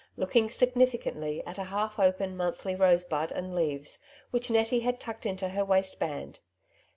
looking significantly at a half open monthly rose bud and leaves, which Nettie had tucked into her waistband.